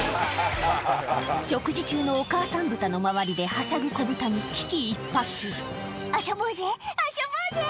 食事中のお母さんブタの周りではしゃぐ子ブタに危機一髪「あしょぼうぜあしょぼうぜ」